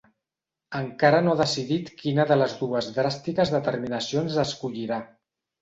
Encara no ha decidit quina de les dues dràstiques determinacions escollirà.